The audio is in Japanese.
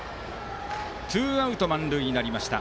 ツーアウト満塁になりました。